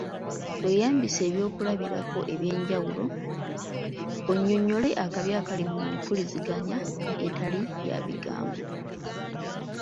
Weeyambise ebyokulabirako eby'enjawulo onnyonnyole akabi akali mu mpuliziganya etali ya bigambo .